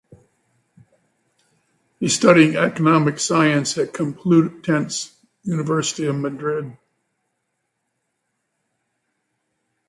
He studied Economic Science at Complutense University of Madrid.